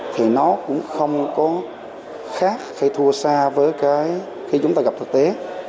thì nó cũng không có khác hay thua xa với cái khi chúng ta gặp thực tế